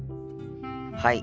はい。